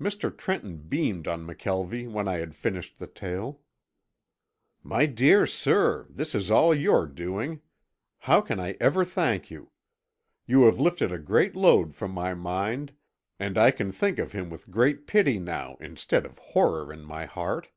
Mr. Trenton beamed on McKelvie when I had finished the tale. "My dear sir, this is all your doing. How can I ever thank you? You have lifted a great load from my mind, and I can think of him with great pity now instead of horror in my heart."